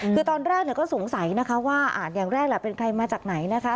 คือตอนแรกก็สงสัยนะคะว่าอย่างแรกแหละเป็นใครมาจากไหนนะคะ